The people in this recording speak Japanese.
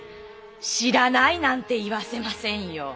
知らないなんて言わせませんよ。